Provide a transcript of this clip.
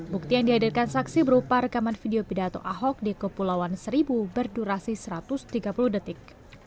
bukti yang dihadirkan saksi berupa rekaman video pidato ahok di kepulauan seribu berdurasi satu ratus tiga puluh detik